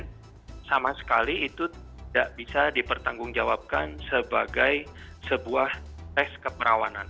hymen sama sekali itu tidak bisa dipertanggung jawabkan sebagai sebuah tes keperawanan